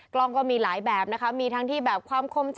กล้องก็มีหลายแบบนะคะ